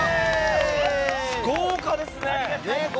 豪華ですね。